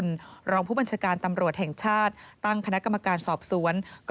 และผลเอกพระยุจรรย์โอชานายกรัฐมนตรีฝ่ายความไม่ประมาทค่ะ